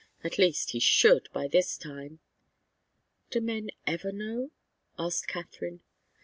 At least, he should, by this time." "Do men ever know?" asked Katharine.